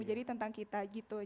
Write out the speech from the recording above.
jadi tentang kita gitu